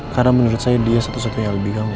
karena menurut saya dia satu satunya lebih kamu